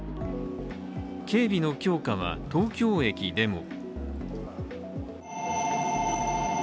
警備の強化は、東京駅でも。